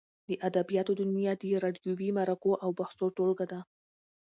د ادبیاتو دونیا د راډیووي مرکو او بحثو ټولګه ده.